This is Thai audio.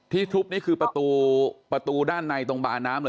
ทุบนี่คือประตูประตูด้านในตรงบาน้ำเลย